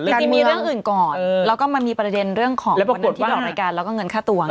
จริงมีเรื่องอื่นก่อนแล้วก็มันมีประเด็นเรื่องของประเด็นที่ออกรายการแล้วก็เงินค่าตัว